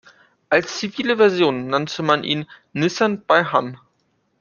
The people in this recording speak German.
Als zivile Version nannte man ihn "Nissan Bei Han".